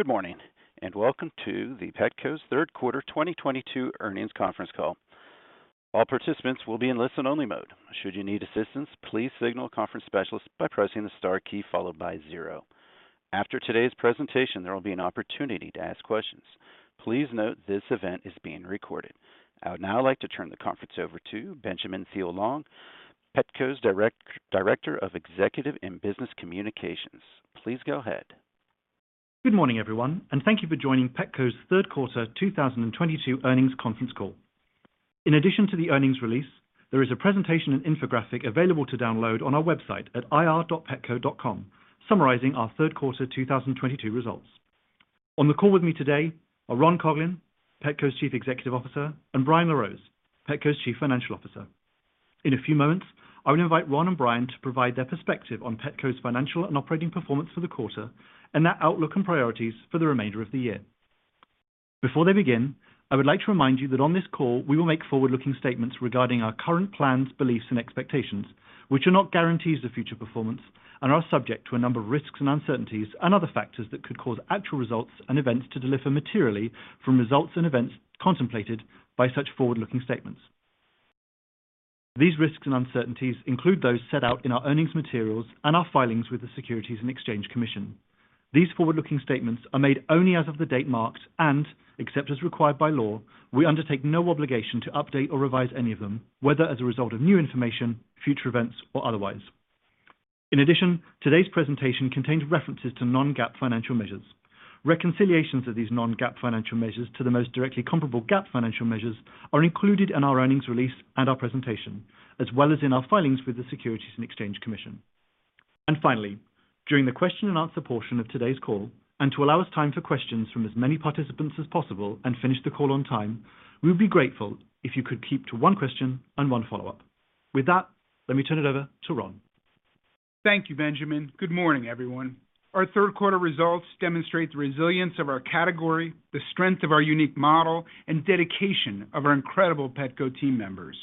Good morning. Welcome to Petco's third quarter 2022 earnings conference call. All participants will be in listen-only mode. Should you need assistance, please signal a conference specialist by pressing the star key followed by Zero. After today's presentation, there will be an opportunity to ask questions. Please note this event is being recorded. I would now like to turn the conference over to Benjamin Thiele-Long, Petco's Director of Executive and Business Communications. Please go ahead. Good morning, everyone, and thank you for joining Petco's third quarter 2022 earnings conference call. In addition to the earnings release, there is a presentation and infographic available to download on our website at ir.petco.com summarizing our third quarter 2022 results. On the call with me today are Ron Coughlin, Petco's Chief Executive Officer, and Brian LaRose, Petco's Chief Financial Officer. In a few moments, I would invite Ron and Brian to provide their perspective on Petco's financial and operating performance for the quarter and their outlook and priorities for the remainder of the year. Before they begin, I would like to remind you that on this call, we will make forward-looking statements regarding our current plans, beliefs, and expectations, which are not guarantees of future performance and are subject to a number of risks and uncertainties and other factors that could cause actual results and events to differ materially from results and events contemplated by such forward-looking statements. These risks and uncertainties include those set out in our earnings materials and our filings with the Securities and Exchange Commission. These forward-looking statements are made only as of the date marked, and except as required by law, we undertake no obligation to update or revise any of them, whether as a result of new information, future events, or otherwise. In addition, today's presentation contains references to non-GAAP financial measures. Reconciliations of these non-GAAP financial measures to the most directly comparable GAAP financial measures are included in our earnings release and our presentation, as well as in our filings with the Securities and Exchange Commission. Finally, during the question and answer portion of today's call, to allow us time for questions from as many participants as possible and finish the call on time, we would be grateful if you could keep to one question and one follow-up. With that, let me turn it over to Ron. Thank you, Benjamin. Good morning, everyone. Our third quarter results demonstrate the resilience of our category, the strength of our unique model, and dedication of our incredible Petco team members.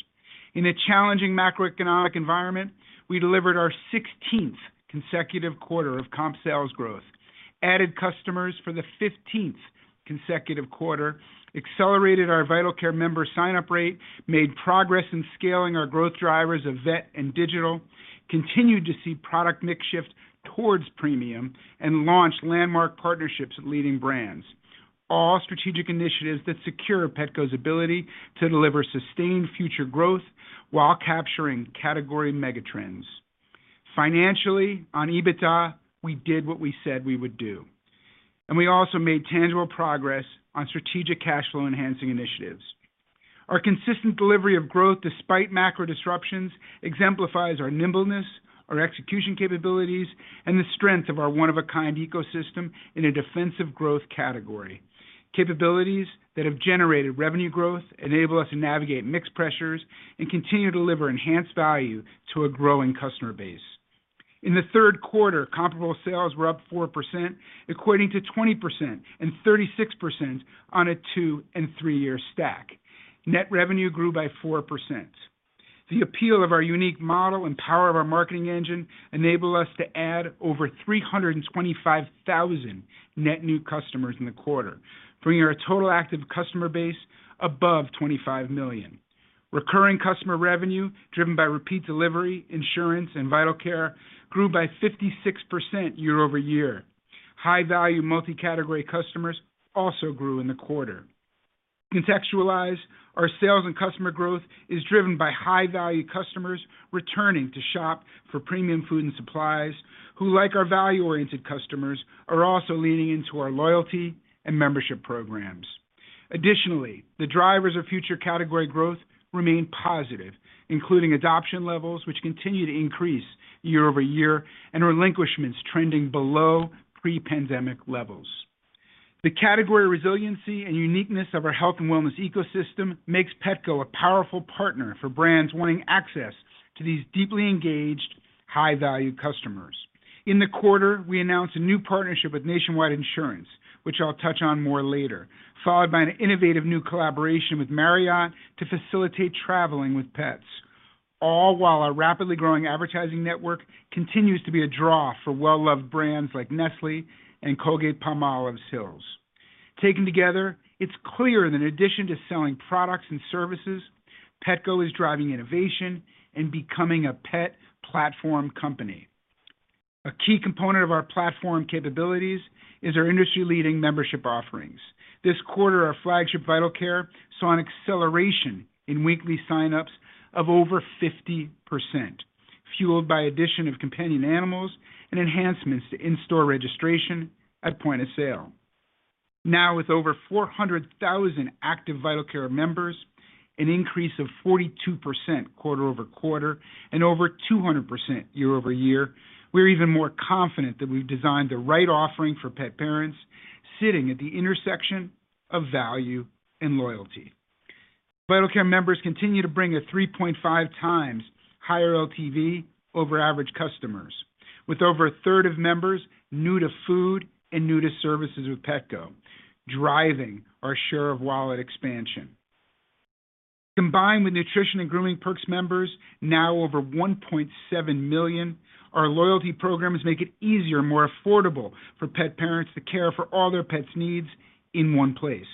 In a challenging macroeconomic environment, we delivered our 16th consecutive quarter of comp sales growth, added customers for the 15th consecutive quarter, accelerated our Vital Care member sign-up rate, made progress in scaling our growth drivers of vet and digital, continued to see product mix shift towards premium, and launched landmark partnerships with leading brands. All strategic initiatives that secure Petco's ability to deliver sustained future growth while capturing category mega trends. Financially, on EBITDA, we did what we said we would do. We also made tangible progress on strategic cash flow enhancing initiatives. Our consistent delivery of growth despite macro disruptions exemplifies our nimbleness, our execution capabilities, and the strength of our one-of-a-kind ecosystem in a defensive growth category. Capabilities that have generated revenue growth enable us to navigate mixed pressures and continue to deliver enhanced value to a growing customer base. In the third quarter, comparable sales were up 4%, equating to 20% and 36% on a two- and three-year stack. Net revenue grew by 4%. The appeal of our unique model and power of our marketing engine enabled us to add over 325,000 net new customers in the quarter, bringing our total active customer base above 25 million. Recurring customer revenue, driven by repeat delivery, insurance, and Vital Care, grew by 56% year-over-year. High-value multi-category customers also grew in the quarter. Contextualized, our sales and customer growth is driven by high-value customers returning to shop for premium food and supplies who like our value-oriented customers are also leaning into our loyalty and membership programs. Additionally, the drivers of future category growth remain positive, including adoption levels, which continue to increase year-over-year, and relinquishments trending below pre-pandemic levels. The category resiliency and uniqueness of our health and wellness ecosystem makes Petco a powerful partner for brands wanting access to these deeply engaged, high-value customers. In the quarter, we announced a new partnership with Nationwide Insurance, which I'll touch on more later, followed by an innovative new collaboration with Marriott to facilitate traveling with pets, all while our rapidly growing advertising network continues to be a draw for well-loved brands like Nestlé and Colgate-Palmolive's Hill's. Taken together, it's clear that in addition to selling products and services, Petco is driving innovation and becoming a pet platform company. A key component of our platform capabilities is our industry-leading membership offerings. This quarter, our flagship Vital Care saw an acceleration in weekly sign-ups of over 50%, fueled by addition of companion animals and enhancements to in-store registration at point of sale. Now with over 400,000 active Vital Care members, an increase of 42% quarter-over-quarter and over 200% year-over-year, we're even more confident that we've designed the right offering for pet parents sitting at the intersection of value and loyalty. Vital Care members continue to bring a 3.5x higher LTV over average customers, with over a third of members new to food and new to services with Petco, driving our share of wallet expansion. Combined with nutrition and Grooming Perks members, now over 1.7 million, our loyalty programs make it easier and more affordable for pet parents to care for all their pets' needs in one place,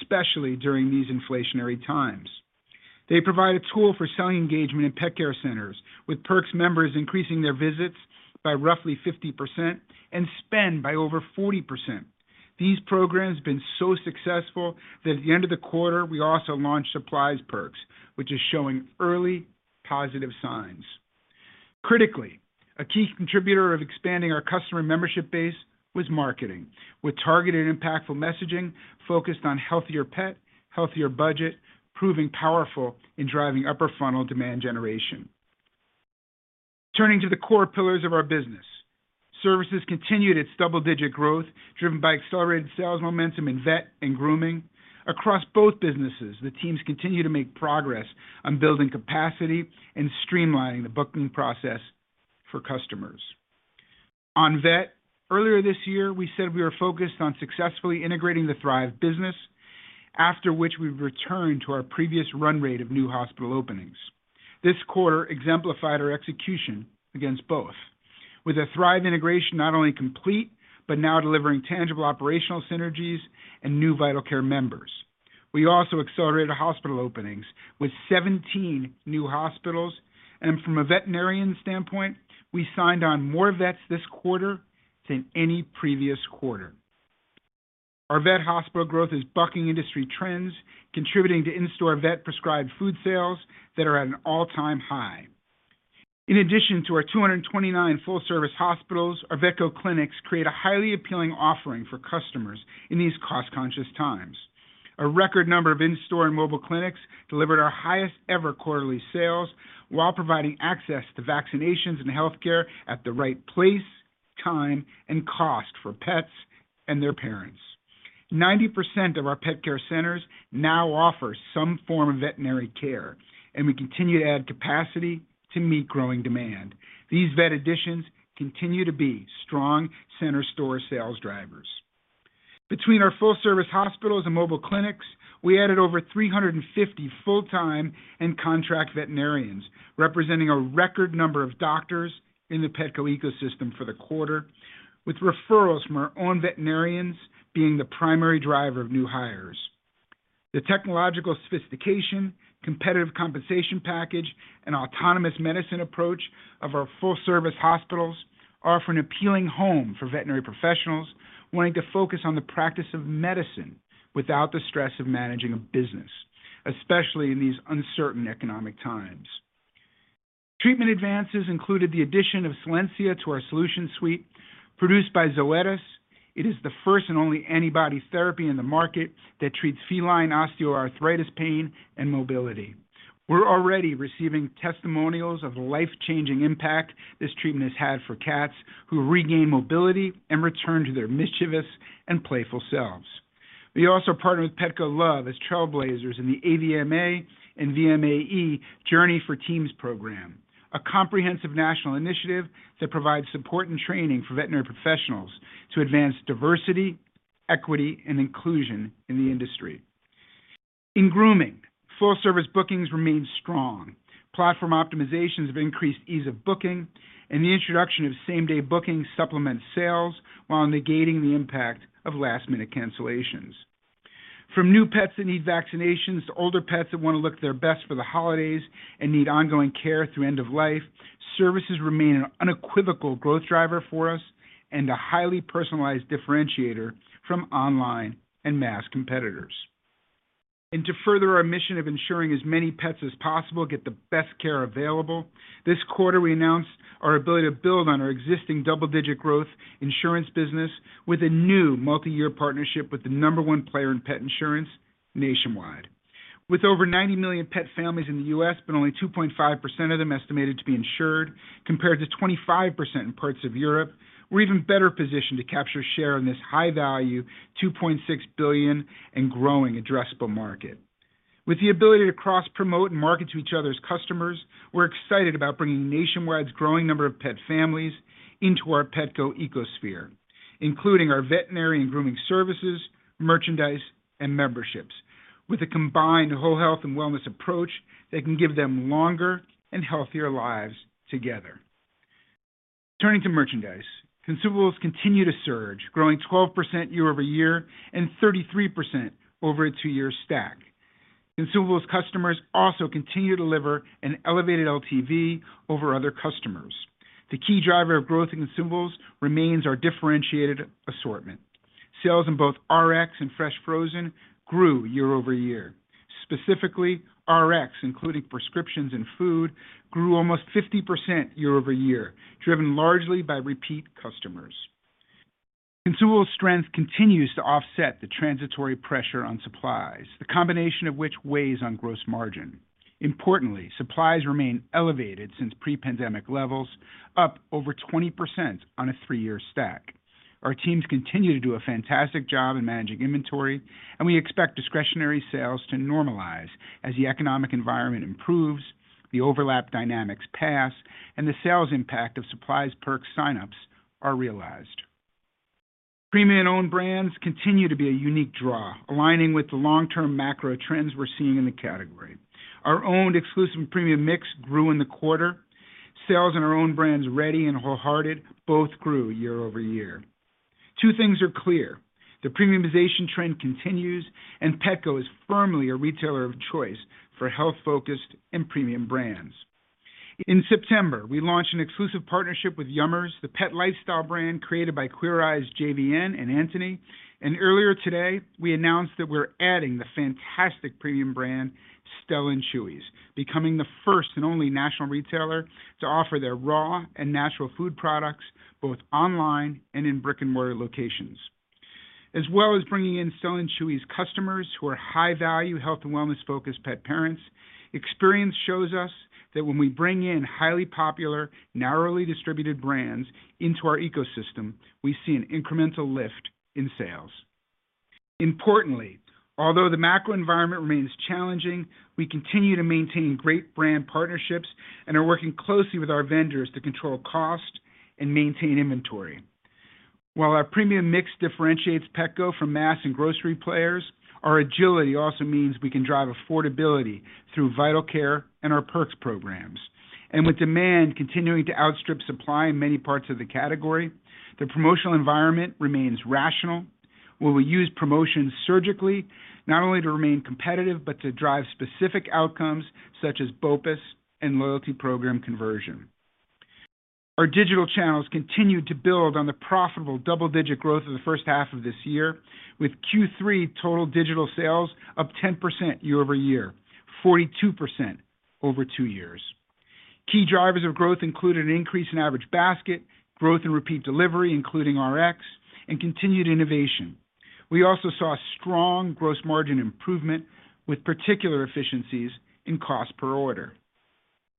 especially during these inflationary times. They provide a tool for selling engagement in pet care centers, with perks members increasing their visits by roughly 50% and spend by over 40%. These programs have been so successful that at the end of the quarter, we also launched Supplies Perks, which is showing early positive signs. Critically, a key contributor of expanding our customer membership base was marketing, with targeted, impactful messaging focused on healthier pet, healthier budget, proving powerful in driving upper funnel demand generation. Turning to the core pillars of our business. Services continued its double-digit growth, driven by accelerated sales momentum in vet and grooming. Across both businesses, the teams continue to make progress on building capacity and streamlining the booking process for customers. On vet, earlier this year, we said we were focused on successfully integrating the Thrive business, after which we've returned to our previous run rate of new hospital openings. This quarter exemplified our execution against both, with a Thrive integration not only complete, but now delivering tangible operational synergies and new Vital Care members. We also accelerated our hospital openings with 17 new hospitals, and from a veterinarian standpoint, we signed on more vets this quarter than any previous quarter. Our vet hospital growth is bucking industry trends, contributing to in-store vet-prescribed food sales that are at an all-time high. In addition to our 229 full-service hospitals, our Vetco clinics create a highly appealing offering for customers in these cost-conscious times. A record number of in-store and mobile clinics delivered our highest-ever quarterly sales while providing access to vaccinations and healthcare at the right place, time, and cost for pets and their parents. 90% of our pet care centers now offer some form of veterinary care, and we continue to add capacity to meet growing demand. These vet additions continue to be strong center store sales drivers. Between our full-service hospitals and mobile clinics, we added over 350 full-time and contract veterinarians, representing a record number of doctors in the Petco ecosystem for the quarter, with referrals from our own veterinarians being the primary driver of new hires. The technological sophistication, competitive compensation package, and autonomous medicine approach of our full-service hospitals offer an appealing home for veterinary professionals wanting to focus on the practice of medicine without the stress of managing a business, especially in these uncertain economic times. Treatment advances included the addition of Solensia to our solution suite produced by Zoetis. It is the first and only antibody therapy in the market that treats feline osteoarthritis, pain, and mobility. We're already receiving testimonials of life-changing impact this treatment has had for cats who regain mobility and return to their mischievous and playful selves. We also partnered with Petco Love as trailblazers in the AVMA and VMAE Journey for Teams program, a comprehensive national initiative that provides support and training for veterinary professionals to advance diversity, equity, and inclusion in the industry. In grooming, full-service bookings remain strong. Platform optimizations have increased ease of booking, and the introduction of same-day booking supplements sales while negating the impact of last-minute cancellations. From new pets that need vaccinations to older pets that want to look their best for the holidays and need ongoing care through end of life, services remain an unequivocal growth driver for us and a highly personalized differentiator from online and mass competitors. To further our mission of ensuring as many pets as possible get the best care available, this quarter we announced our ability to build on our existing double-digit growth insurance business with a new multi-year partnership with the number one player in pet insurance Nationwide. With over 90 million pet families in the U.S., but only 2.5% of them estimated to be insured compared to 25% in parts of Europe, we're even better positioned to capture share in this high-value, $2.6 billion and growing addressable market. With the ability to cross-promote and market to each other's customers, we're excited about bringing Nationwide's growing number of pet families into our Petco ecosphere, including our veterinary and grooming services, merchandise, and memberships, with a combined whole health and wellness approach that can give them longer and healthier lives together. Turning to merchandise, consumables continue to surge, growing 12% year-over-year and 33% over a two-year stack. Consumables customers also continue to deliver an elevated LTV over other customers. The key driver of growth in consumables remains our differentiated assortment. Sales in both RX and fresh frozen grew year-over-year. Specifically, RX, including prescriptions and food, grew almost 50% year-over-year, driven largely by repeat customers. Consumables strength continues to offset the transitory pressure on supplies, the combination of which weighs on gross margin. Importantly, supplies remain elevated since pre-pandemic levels, up over 20% on a three-year stack. Our teams continue to do a fantastic job in managing inventory, and we expect discretionary sales to normalize as the economic environment improves, the overlap dynamics pass, and the sales impact of supplies perk sign-ups are realized. Premium and owned brands continue to be a unique draw, aligning with the long-term macro trends we're seeing in the category. Our owned exclusive premium mix grew in the quarter. Sales in our own brands, Reddy and WholeHearted, both grew year-over-year. Two things are clear. The premiumization trend continues, and Petco is firmly a retailer of choice for health-focused and premium brands. In September, we launched an exclusive partnership with Yummers, the pet lifestyle brand created by Queer Eye's J.V.N. and Antoni. Earlier today, we announced that we're adding the fantastic premium brand Stella & Chewy's, becoming the first and only national retailer to offer their raw and natural food products both online and in brick-and-mortar locations. As well as bringing in Stella & Chewy's customers who are high-value, health and wellness-focused pet parents, experience shows us that when we bring in highly popular, narrowly distributed brands into our ecosystem, we see an incremental lift in sales. Importantly, although the macro environment remains challenging, we continue to maintain great brand partnerships and are working closely with our vendors to control cost and maintain inventory. While our premium mix differentiates Petco from mass and grocery players, our agility also means we can drive affordability through Vital Care and our perks programs. With demand continuing to outstrip supply in many parts of the category, the promotional environment remains rational, where we use promotions surgically not only to remain competitive, but to drive specific outcomes such as BOPUS and loyalty program conversion. Our digital channels continue to build on the profitable double-digit growth of the first half of this year, with Q3 total digital sales up 10% year-over-year, 42% over two years. Key drivers of growth included an increase in average basket, growth in repeat delivery, including RX, and continued innovation. We also saw strong gross margin improvement with particular efficiencies in cost per order.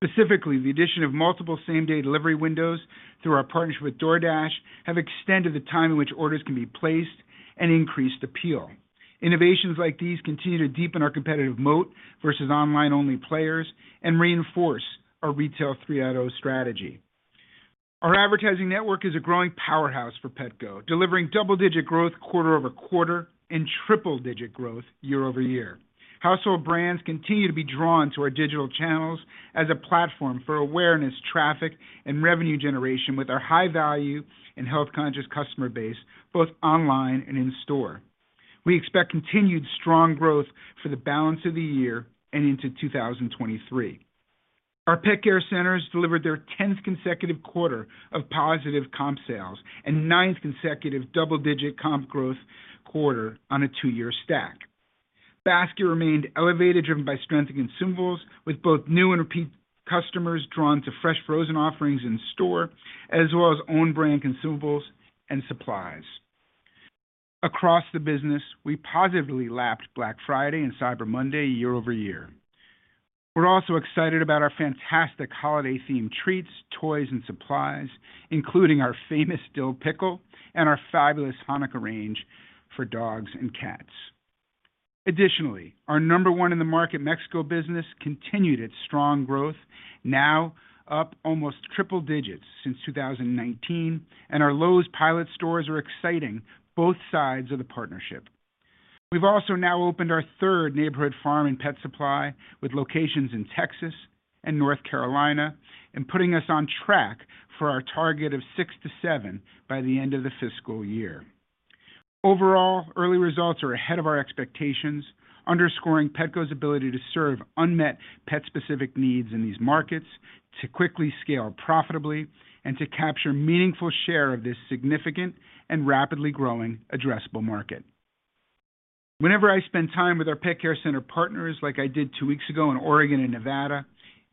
Specifically, the addition of multiple same-day delivery windows through our partnership with DoorDash have extended the time in which orders can be placed and increased appeal. Innovations like these continue to deepen our competitive moat versus online-only players and reinforce our Retail 3.0 strategy. Our advertising network is a growing powerhouse for Petco, delivering double-digit growth quarter-over-quarter and triple-digit growth year-over-year. Household brands continue to be drawn to our digital channels as a platform for awareness, traffic, and revenue generation with our high-value and health-conscious customer base, both online and in store. We expect continued strong growth for the balance of the year and into 2023. Our pet care centers delivered their tenth consecutive quarter of positive comp sales and ninth consecutive double-digit comp growth quarter on a two-year stack. Basket remained elevated, driven by strength in consumables, with both new and repeat customers drawn to fresh frozen offerings in store, as well as own brand consumables and supplies. Across the business, we positively lapped Black Friday and Cyber Monday year-over-year. We're also excited about our fantastic holiday-themed treats, toys, and supplies, including our famous dill pickle and our fabulous Hanukkah range for dogs and cats. Additionally, our number one in the market Mexico business continued its strong growth, now up almost triple digits since 2019, and our Lowe's pilot stores are exciting both sides of the partnership. We've also now opened our third Neighborhood Farm & Pet Supply with locations in Texas and North Carolina and putting us on track for our target of six-seven by the end of the fiscal year. Overall, early results are ahead of our expectations, underscoring Petco's ability to serve unmet pet-specific needs in these markets, to quickly scale profitably, and to capture meaningful share of this significant and rapidly growing addressable market. Whenever I spend time with our pet care center partners, like I did two weeks ago in Oregon and Nevada,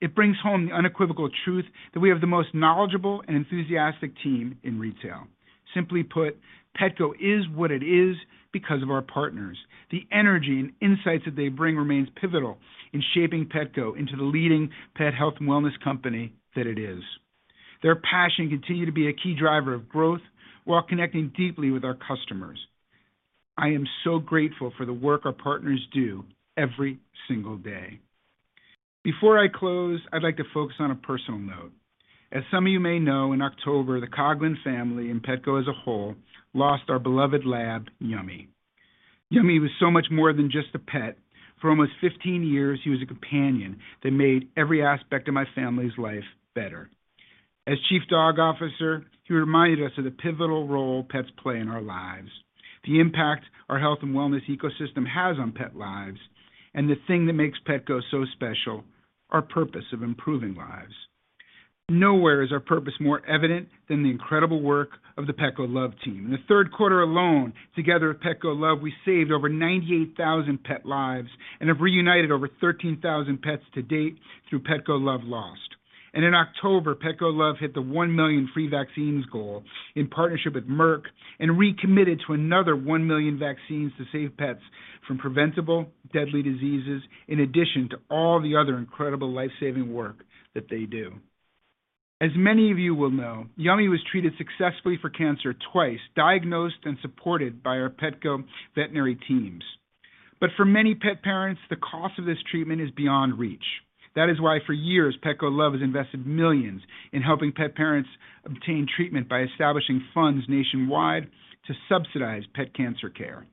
it brings home the unequivocal truth that we have the most knowledgeable and enthusiastic team in retail. Simply put, Petco is what it is because of our partners. The energy and insights that they bring remains pivotal in shaping Petco into the leading pet health and wellness company that it is. Their passion continue to be a key driver of growth while connecting deeply with our customers. I am so grateful for the work our partners do every single day. Before I close, I'd like to focus on a personal note. As some of you may know, in October, the Coughlin family, and Petco as a whole, lost our beloved lab, Yummy. Yummy was so much more than just a pet. For almost 15 years, he was a companion that made every aspect of my family's life better. As chief dog officer, he reminded us of the pivotal role pets play in our lives, the impact our health and wellness ecosystem has on pet lives, and the thing that makes Petco so special, our purpose of improving lives. Nowhere is our purpose more evident than the incredible work of the Petco Love team. In the third quarter alone, together with Petco Love, we saved over 98,000 pet lives and have reunited over 13,000 pets to date through Petco Love Lost. In October, Petco Love hit the 1 million free vaccines goal in partnership with Merck and recommitted to another 1 million vaccines to save pets from preventable deadly diseases in addition to all the other incredible life-saving work that they do. As many of you will know, Yummy was treated successfully for cancer twice, diagnosed and supported by our Petco veterinary teams. For many pet parents, the cost of this treatment is beyond reach. That is why, for years, Petco Love has invested millions in helping pet parents obtain treatment by establishing funds nationwide to subsidize pet cancer care.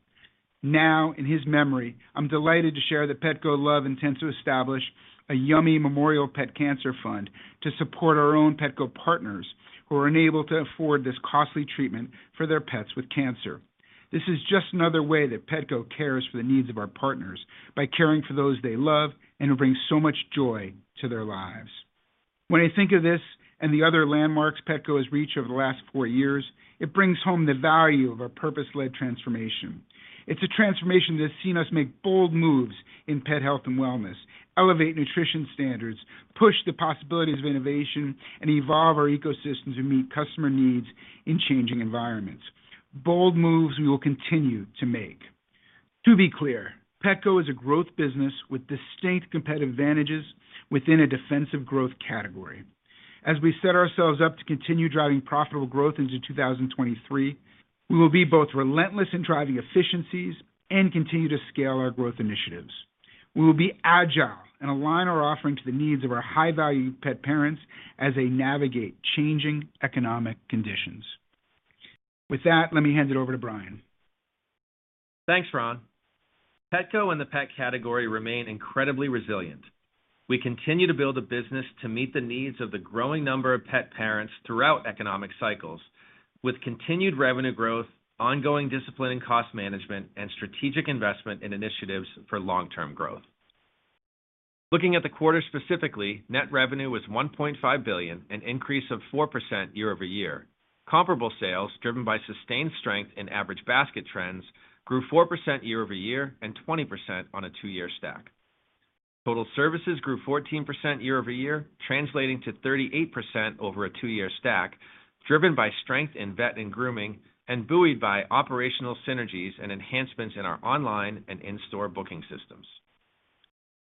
In his memory, I'm delighted to share that Petco Love intends to establish a Yummy Memorial Pet Cancer Fund to support our own Petco partners who are unable to afford this costly treatment for their pets with cancer. This is just another way that Petco cares for the needs of our partners by caring for those they love and who bring so much joy to their lives. When I think of this and the other landmarks Petco has reached over the last four years, it brings home the value of a purpose-led transformation. It's a transformation that's seen us make bold moves in pet health and wellness, elevate nutrition standards, push the possibilities of innovation, and evolve our ecosystem to meet customer needs in changing environments. Bold moves we will continue to make. To be clear, Petco is a growth business with distinct competitive advantages within a defensive growth category. As we set ourselves up to continue driving profitable growth into 2023, we will be both relentless in driving efficiencies and continue to scale our growth initiatives. We will be agile and align our offering to the needs of our high-value pet parents as they navigate changing economic conditions. With that, let me hand it over to Brian. Thanks, Ron. Petco and the pet category remain incredibly resilient. We continue to build a business to meet the needs of the growing number of pet parents throughout economic cycles with continued revenue growth, ongoing discipline and cost management, and strategic investment in initiatives for long-term growth. Looking at the quarter specifically, net revenue was $1.5 billion, an increase of 4% year-over-year. Comparable sales, driven by sustained strength in average basket trends, grew 4% year-over-year and 20% on a two-year stack. Total services grew 14% year-over-year, translating to 38% over a two-year stack, driven by strength in vet and grooming and buoyed by operational synergies and enhancements in our online and in-store booking systems.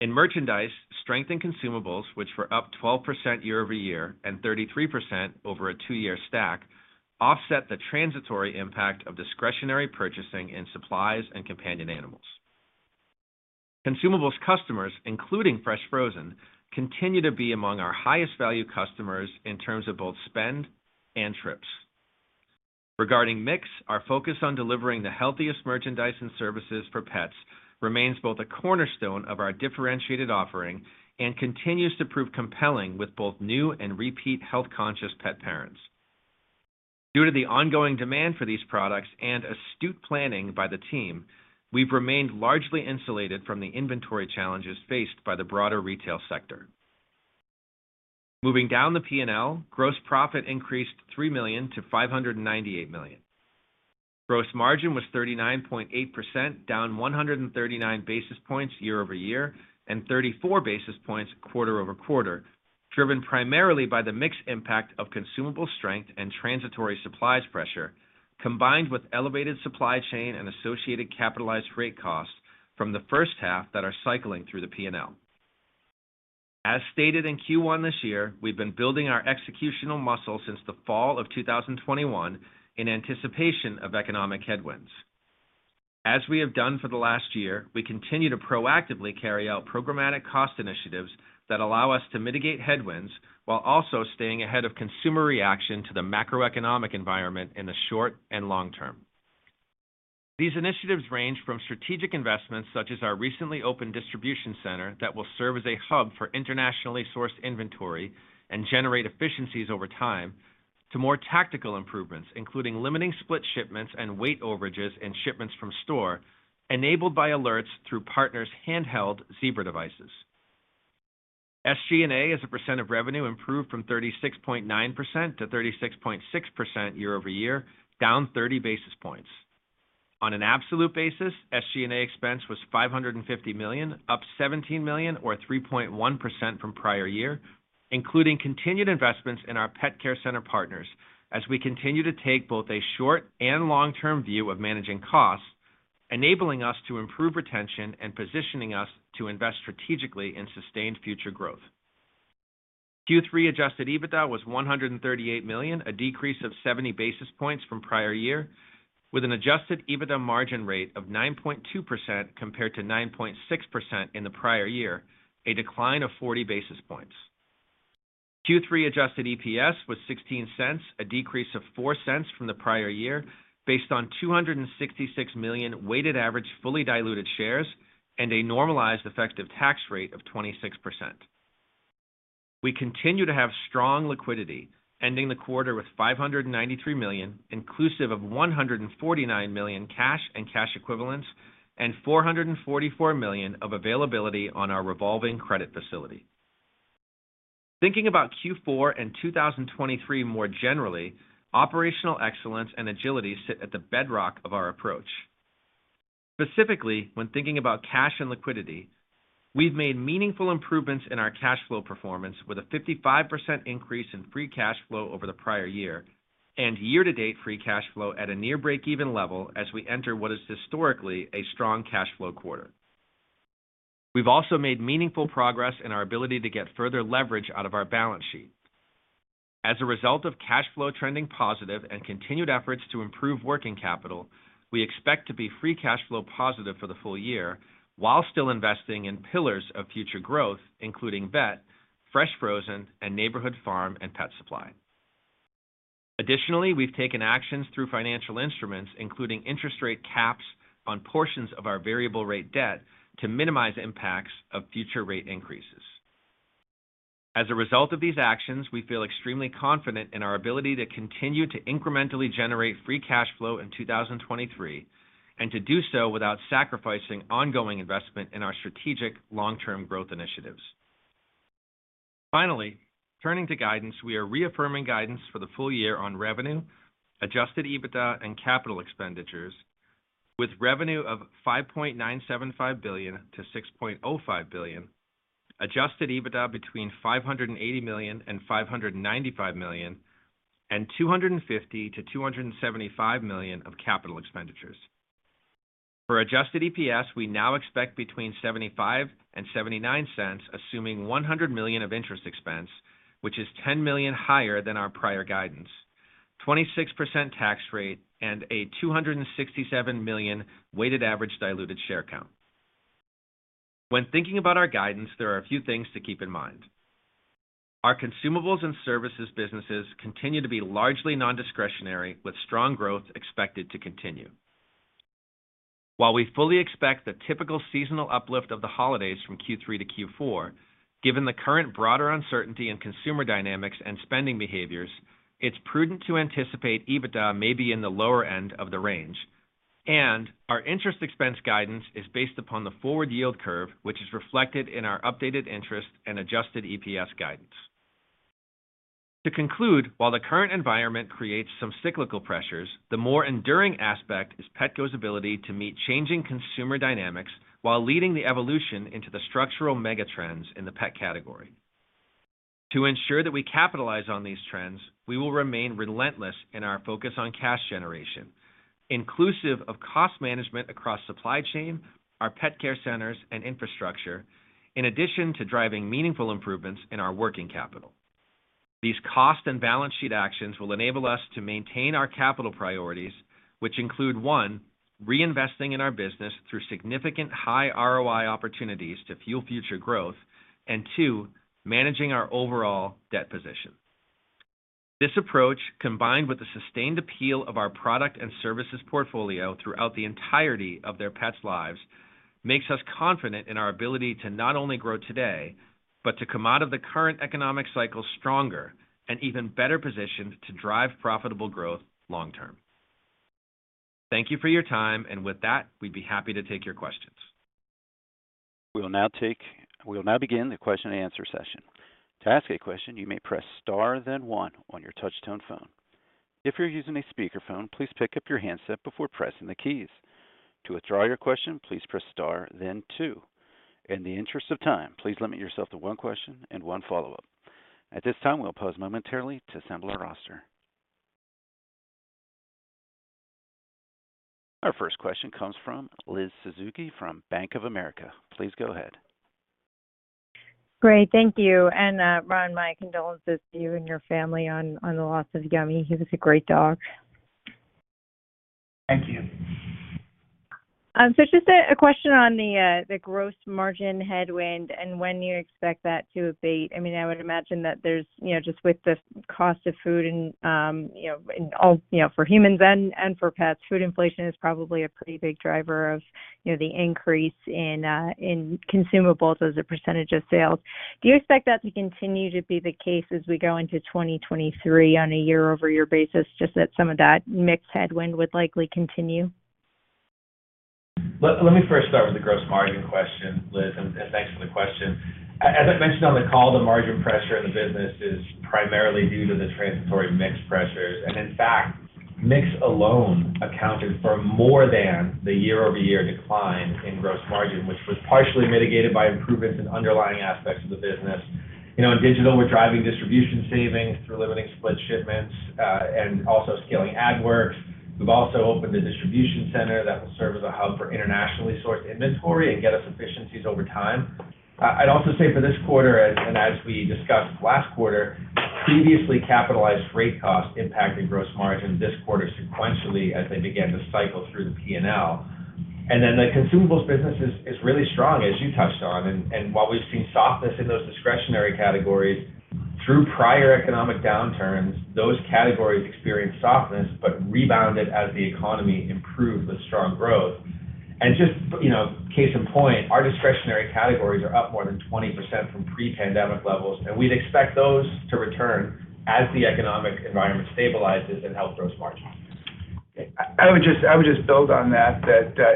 In merchandise, strength and consumables, which were up 12% year-over-year and 33% over a two-year stack, offset the transitory impact of discretionary purchasing in supplies and companion animals. Consumables customers, including fresh frozen, continue to be among our highest value customers in terms of both spend and trips. Regarding mix, our focus on delivering the healthiest merchandise and services for pets remains both a cornerstone of our differentiated offering and continues to prove compelling with both new and repeat health-conscious pet parents. Due to the ongoing demand for these products and astute planning by the team, we've remained largely insulated from the inventory challenges faced by the broader retail sector. Moving down the P&L, gross profit increased $3 million to $598 million. Gross margin was 39.8%, down 139 basis points year-over-year, and 34 basis points quarter-over-quarter, driven primarily by the mix impact of consumable strength and transitory supplies pressure, combined with elevated supply chain and associated capitalized freight costs from the first half that are cycling through the P&L. As stated in Q1 this year, we've been building our executional muscle since the fall of 2021 in anticipation of economic headwinds. As we have done for the last year, we continue to proactively carry out programmatic cost initiatives that allow us to mitigate headwinds while also staying ahead of consumer reaction to the macroeconomic environment in the short and long term. These initiatives range from strategic investments, such as our recently opened distribution center that will serve as a hub for internationally sourced inventory and generate efficiencies over time, to more tactical improvements, including limiting split shipments and weight overages and shipments from store enabled by alerts through partners' handheld Zebra devices. SG&A, as a % of revenue, improved from 36.9% to 36.6% year-over-year, down 30 basis points. On an absolute basis, SG&A expense was $550 million, up $17 million or 3.1% from prior year, including continued investments in our pet care center partners as we continue to take both a short and long-term view of managing costs, enabling us to improve retention and positioning us to invest strategically in sustained future growth. Q3 adjusted EBITDA was $138 million, a decrease of 70 basis points from prior year, with an adjusted EBITDA margin rate of 9.2% compared to 9.6% in the prior year, a decline of 40 basis points. Q3 adjusted EPS was $0.16, a decrease of $0.04 from the prior year, based on 266 million weighted average fully diluted shares and a normalized effective tax rate of 26%. We continue to have strong liquidity, ending the quarter with $593 million, inclusive of $149 million cash and cash equivalents and $444 million of availability on our revolving credit facility. Thinking about Q4 and 2023 more generally, operational excellence and agility sit at the bedrock of our approach. Specifically, when thinking about cash and liquidity, we've made meaningful improvements in our cash flow performance with a 55% increase in free cash flow over the prior year and year-to-date free cash flow at a near break-even level as we enter what is historically a strong cash flow quarter. We've also made meaningful progress in our ability to get further leverage out of our balance sheet. As a result of cash flow trending positive and continued efforts to improve working capital, we expect to be free cash flow positive for the full year while still investing in pillars of future growth, including vet, fresh frozen, and Neighborhood Farm & Pet Supply. We've taken actions through financial instruments, including interest rate caps on portions of our variable rate debt to minimize impacts of future rate increases. As a result of these actions, we feel extremely confident in our ability to continue to incrementally generate free cash flow in 2023, and to do so without sacrificing ongoing investment in our strategic long-term growth initiatives. Finally, turning to guidance, we are reaffirming guidance for the full year on revenue, adjusted EBITDA and capital expenditures with revenue of $5.975 billion-$6.05 billion, adjusted EBITDA between $580 million and $595 million, and $250 million-$275 million of capital expenditures. For adjusted EPS, we now expect between $0.75 and $0.79, assuming $100 million of interest expense, which is $10 million higher than our prior guidance, 26% tax rate and a 267 million weighted average diluted share count. When thinking about our guidance, there are a few things to keep in mind. Our consumables and services businesses continue to be largely nondiscretionary, with strong growth expected to continue. While we fully expect the typical seasonal uplift of the holidays from Q3 to Q4, given the current broader uncertainty in consumer dynamics and spending behaviors, it's prudent to anticipate EBITDA may be in the lower end of the range. Our interest expense guidance is based upon the forward yield curve, which is reflected in our updated interest and adjusted EPS guidance. To conclude, while the current environment creates some cyclical pressures, the more enduring aspect is Petco's ability to meet changing consumer dynamics while leading the evolution into the structural mega trends in the pet category. To ensure that we capitalize on these trends, we will remain relentless in our focus on cash generation, inclusive of cost management across supply chain, our pet care centers and infrastructure, in addition to driving meaningful improvements in our working capital. These cost and balance sheet actions will enable us to maintain our capital priorities, which include, one, reinvesting in our business through significant high ROI opportunities to fuel future growth, and two, managing our overall debt position. This approach, combined with the sustained appeal of our product and services portfolio throughout the entirety of their pets' lives, makes us confident in our ability to not only grow today, but to come out of the current economic cycle stronger and even better positioned to drive profitable growth long-term. Thank you for your time, and with that, we'd be happy to take your questions. We will now begin the question and answer session. To ask a question, you may press star then one on your touch tone phone. If you're using a speaker phone, please pick up your handset before pressing the keys. To withdraw your question, please press star then two. In the interest of time, please limit yourself to one question and one follow-up. At this time, we'll pause momentarily to assemble our roster. Our first question comes from Liz Suzuki from Bank of America. Please go ahead. Great. Thank you. Ron, my condolences to you and your family on the loss of Yummy. He was a great dog. Thank you. Just a question on the gross margin headwind and when you expect that to abate. I mean, I would imagine that there's, you know, just with the cost of food and, you know, and all, you know, for humans and for pets, food inflation is probably a pretty big driver of, you know, the increase in consumables as a percentage of sales. Do you expect that to continue to be the case as we go into 2023 on a year-over-year basis, just that some of that mix headwind would likely continue? Let me first start with the gross margin question, Liz. Thanks for the question. As I mentioned on the call, the margin pressure in the business is primarily due to the transitory mix pressures. In fact, mix alone accounted for more than the year-over-year decline in gross margin, which was partially mitigated by improvements in underlying aspects of the business. You know, in digital, we're driving distribution savings through limiting split shipments, and also scaling Petco Media. We've also opened a distribution center that will serve as a hub for internationally sourced inventory and get us efficiencies over time. I'd also say for this quarter, as we discussed last quarter, previously capitalized rate costs impacted gross margin this quarter sequentially as they began to cycle through the P&L. The consumables business is really strong, as you touched on. While we've seen softness in those discretionary categories, through prior economic downturns, those categories experienced softness but rebounded as the economy improved with strong growth. Just, you know, case in point, our discretionary categories are up more than 20% from pre-pandemic levels, and we'd expect those to return as the economic environment stabilizes and help gross margin. I would just build on that,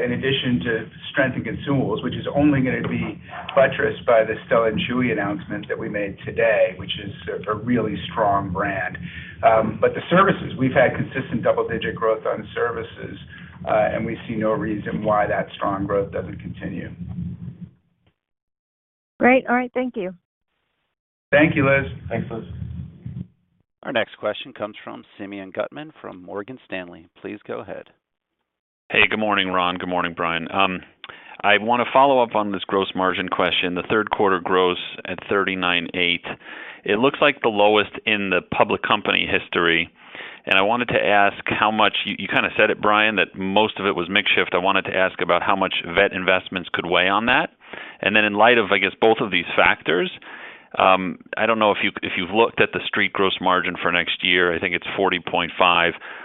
in addition to strength in consumables, which is only gonna be buttressed by the Stella & Chewy's announcement that we made today, which is a really strong brand. The services, we've had consistent double-digit growth on services, and we see no reason why that strong growth doesn't continue. Great. All right. Thank you. Thank you, Liz. Thanks, Liz. Our next question comes from Simeon Gutman from Morgan Stanley. Please go ahead. Hey, good morning, Ron. Good morning, Brian. I want to follow up on this gross margin question. The third quarter gross at 39.8%, it looks like the lowest in the public company history. I wanted to ask how much... You kinda said it, Brian, that most of it was mix shift. I wanted to ask about how much vet investments could weigh on that. In light of, I guess, both of these factors, I don't know if you, if you've looked at the street gross margin for next year. I think it's 40.5%.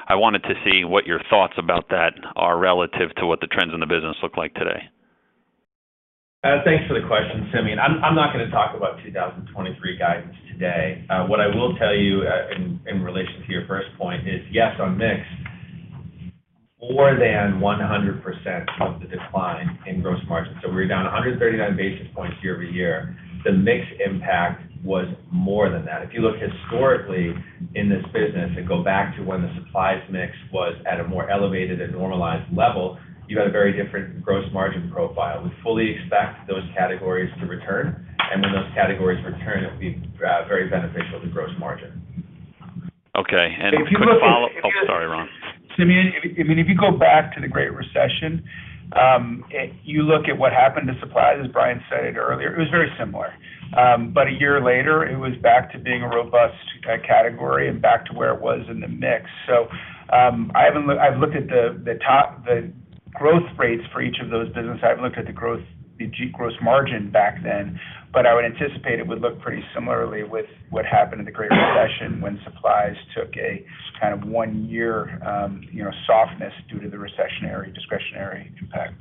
I wanted to see what your thoughts about that are relative to what the trends in the business look like today. Thanks for the question, Simeon. I'm not gonna talk about 2023 guidance today. What I will tell you, in relation to your first point is, yes, on mix, more than 100% of the decline in gross margin. We're down 139 basis points year-over-year. The mix impact was more than that. If you look historically in this business and go back to when the supplies mix was at a more elevated and normalized level, you had a very different gross margin profile. We fully expect those categories to return, and when those categories return, it will be very beneficial to gross margin. Okay. A quick follow-up. If you look. Oh, sorry, Ron. Simeon, if I mean, if you go back to the Great Recession, you look at what happened to supplies, as Brian said earlier, it was very similar. A year later, it was back to being a robust category, back to where it was in the mix. I haven't looked. I've looked at the growth rates for each of those businesses. I haven't looked at the gross margin back then. I would anticipate it would look pretty similarly with what happened in the Great Recession when supplies took a kind of one year, you know, softness due to the recessionary discretionary impact.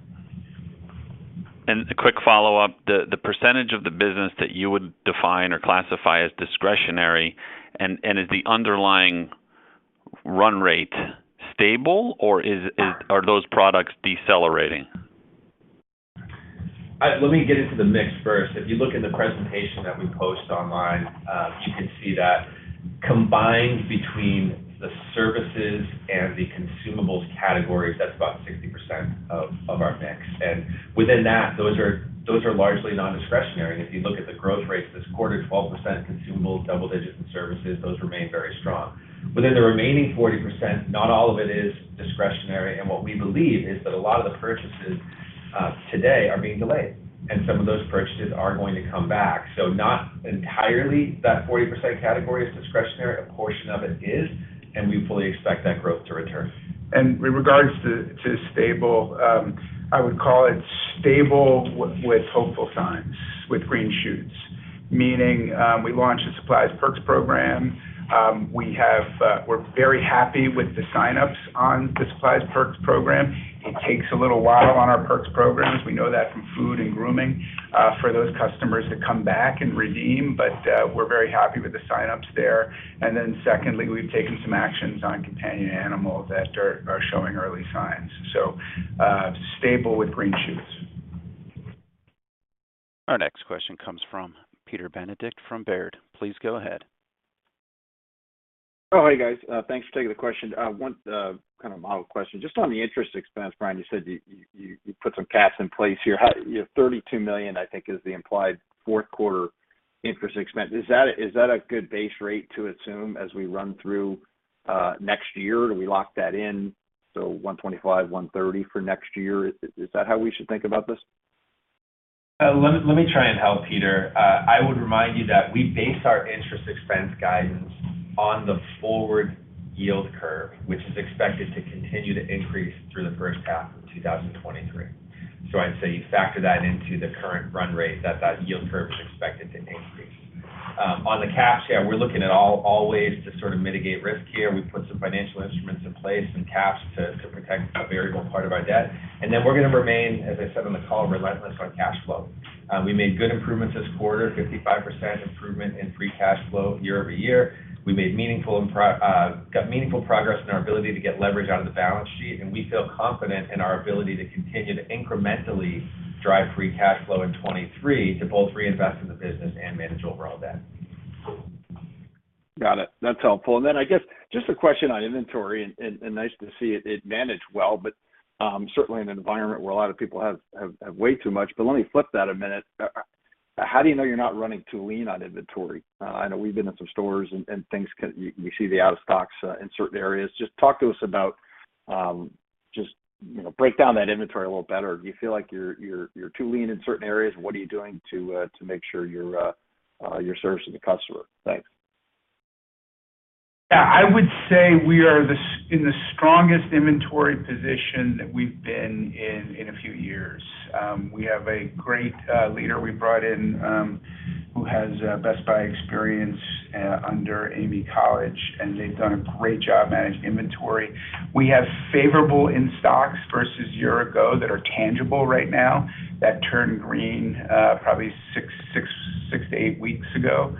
A quick follow-up. The percentage of the business that you would define or classify as discretionary, and is the underlying run rate stable, or are those products decelerating? Let me get into the mix first. If you look in the presentation that we post online, you can see that combined between the services and the consumables categories, that's about 60% of our mix. Within that, those are largely nondiscretionary. If you look at the growth rates this quarter, 12% consumables, double digits in services, those remain very strong. Within the remaining 40%, not all of it is discretionary, and what we believe is that a lot of the purchases today are being delayed, and some of those purchases are going to come back. Not entirely that 40% category is discretionary. A portion of it is, and we fully expect that growth to return. With regards to stable, I would call it stable with hopeful signs, with green shoots. Meaning, we launched a Vital Care program. We have. We're very happy with the sign-ups on the Vital Care program. It takes a little while on our perks programs. We know that from Food and Grooming, for those customers to come back and redeem. We're very happy with the sign-ups there. Secondly, we've taken some actions on companion animals that are showing early signs. Stable with green shoots. Our next question comes from Peter Benedict from Baird. Please go ahead. Hey, guys. Thanks for taking the question. One, kind of model question. Just on the interest expense, Brian, you said you put some caps in place here. You know, $32 million, I think, is the implied fourth quarter interest expense. Is that a good base rate to assume as we run through next year? Do we lock that in, so $125 million-$130 million for next year? Is that how we should think about this? Let me try and help, Peter. I would remind you that we base our interest expense guidance on the forward yield curve, which is expected to continue to increase through the first half of 2023. I'd say you factor that into the current run rate that yield curve is expected to increase. On the caps, we're looking at all ways to sort of mitigate risk here. We put some financial instruments in place and caps to protect a variable part of our debt. Then we're gonna remain, as I said on the call, relentless on cash flow. We made good improvements this quarter, 55% improvement in free cash flow year-over-year. We got meaningful progress in our ability to get leverage out of the balance sheet. We feel confident in our ability to continue to incrementally drive free cash flow in 2023 to both reinvest in the business and manage overall debt. Got it. That's helpful. I guess just a question on inventory and nice to see it managed well, but certainly in an environment where a lot of people have way too much. Let me flip that a minute. How do you know you're not running too lean on inventory? I know we've been in some stores and things can. You see the out of stocks in certain areas. Just talk to us about, you know, break down that inventory a little better. Do you feel like you're too lean in certain areas? What are you doing to make sure you're servicing the customer? Thanks. Yeah. I would say we are in the strongest inventory position that we've been in in a few years. We have a great leader we brought in who has Best Buy experience under Amy College, and they've done a great job managing inventory. We have favorable in-stocks versus year ago that are tangible right now that turned green probably six to eight weeks ago.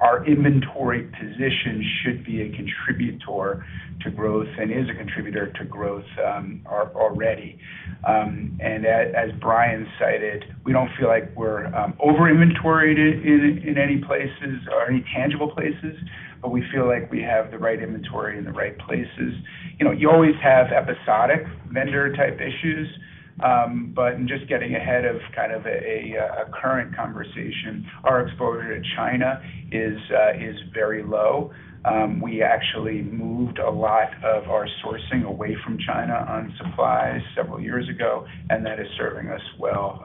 Our inventory position should be a contributor to growth and is a contributor to growth already. As Brian cited, we don't feel like we're over-inventoried in any places or any tangible places, but we feel like we have the right inventory in the right places. You know, you always have episodic vendor-type issues. In just getting ahead of kind of a current conversation, our exposure to China is very low. We actually moved a lot of our sourcing away from China on supply several years ago, and that is serving us well,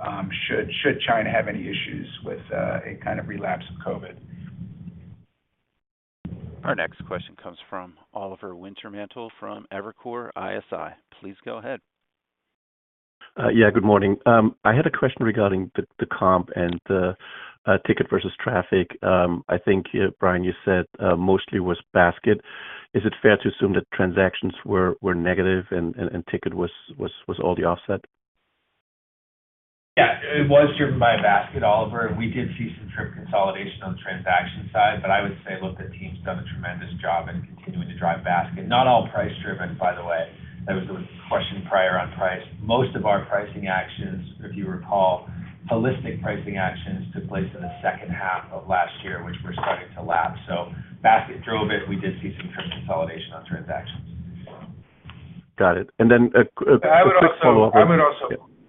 should China have any issues with a kind of relapse of COVID. Our next question comes from Oliver Wintermantel from Evercore ISI. Please go ahead. Good morning. I had a question regarding the comp and the ticket versus traffic. I think Brian, you said mostly was basket. Is it fair to assume that transactions were negative and ticket was all the offset? Yeah. It was driven by a basket, Oliver, and we did see some trip consolidation on the transaction side. I would say, look, the team's done a tremendous job in continuing to drive basket. Not all price-driven, by the way. There was a question prior on price. Most of our pricing actions, if you recall, holistic pricing actions took place in the second half of last year, which we're starting to lap. Basket drove it. We did see some trip consolidation on transactions. Got it. I would also- A quick follow-up.